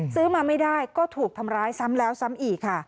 ซื้อมาไม่ได้ก็ถูกทำร้ายซ้ำแล้วซ้ำอีกค่ะ